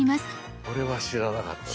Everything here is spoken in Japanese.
これは知らなかったぞ。